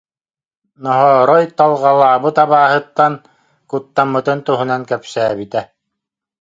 Ноһоорой Талҕалаабыт абааһыттан куттаммытын туһунан кэпсээбитэ